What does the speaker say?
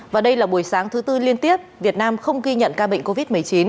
và đây là buổi sáng thứ tư liên tiếp việt nam không ghi nhận ca bệnh covid một mươi chín